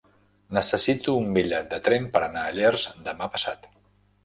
Necessito un bitllet de tren per anar a Llers demà passat.